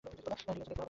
ঠিক আছে, দেখতে হবে না।